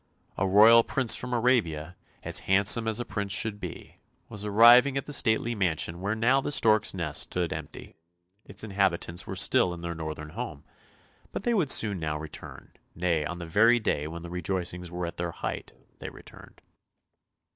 A royal prince from Arabia, as handsome as a prince should be, was arriving at the stately mansion where now the storks' nest stood empty; its inhabitants were still in their northern home; but they would soon now return — nay, on the very day when the rejoicings were at their height they returned.